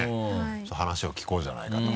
ちょっと話を聞こうじゃないかと。